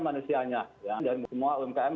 manusianya dan semua umkm